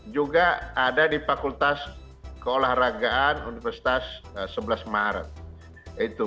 juga ada di fakultas keolahragaan universitas sebelas maret